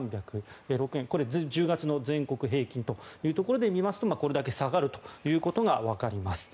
これ、１０月の全国平均というところで見ますとこれだけ下がるということがわかります。